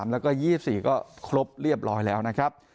แล้วก็๒๔ก็ครบเรียบร้อยแล้วนะครับ